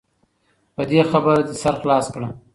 په دې خبره دې سر خلاص کړه .